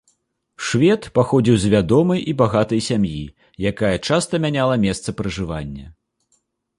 Швед паходзіў з вядомай і багатай сям'і, якая часта мяняла месца пражывання.